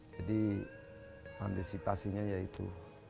jadi ambisitasinya ya itu